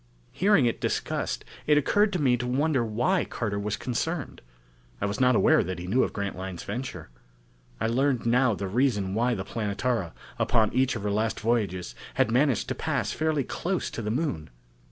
Hearing it discussed, it occurred to me to wonder why Carter was concerned. I was not aware that he knew of Grantline's venture. I learned now the reason why the Planetara, upon each of her last voyages, had managed to pass fairly close to the Moon.